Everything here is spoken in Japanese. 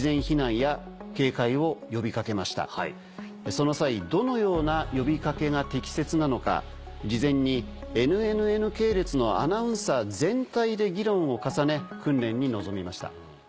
その際どのような呼びかけが適切なのか事前にＮＮＮ系列のアナウンサー全体で議論を重ね訓練に臨みました。